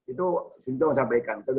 itu sintiom sampaikan